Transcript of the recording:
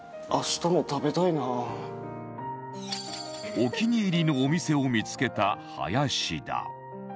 お気に入りのお店を見付けた林田